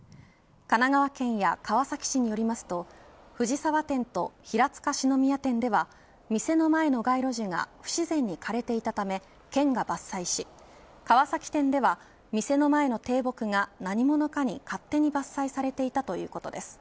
神奈川県や川崎市によりますと藤沢店と平塚四之宮店では店の前の街路樹が、不自然に枯れていたため県が伐採し川崎店では店の前の低木が何者かに勝手に伐採されていたということです。